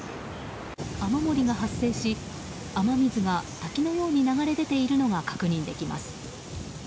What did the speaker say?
雨漏りが発生し、雨水が滝のように流れ出ているのが確認できます。